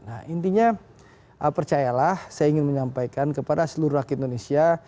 nah intinya percayalah saya ingin menyampaikan kepada seluruh rakyat indonesia